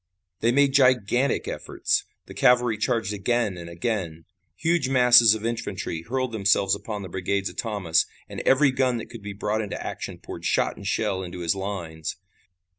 They made gigantic efforts. The cavalry charged again and again. Huge masses of infantry hurled themselves upon the brigades of Thomas, and every gun that could be brought into action poured shot and shell into his lines.